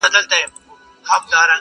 څه به د «میني انتظار» له نامردانو کوو.!